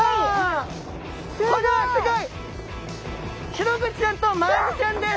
シログチちゃんとマアジちゃんです。